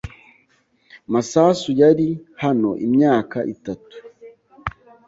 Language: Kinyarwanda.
Masasu yari hano imyaka itatu.